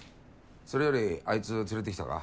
それよりあいつを連れてきたか？